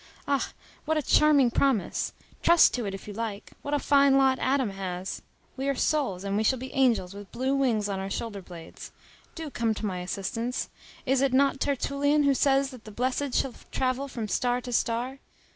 Ah! what a charming promise! trust to it, if you like! What a fine lot Adam has! We are souls, and we shall be angels, with blue wings on our shoulder blades. Do come to my assistance: is it not Tertullian who says that the blessed shall travel from star to star?